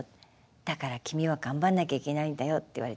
だから君は頑張んなきゃいけないんだよ」って言われて。